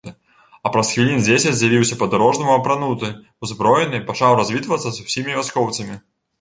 А праз хвілін дзесяць з'явіўся па-дарожнаму апрануты, узброены, пачаў развітвацца з усімі вяскоўцамі.